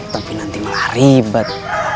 tapi nanti malah ribet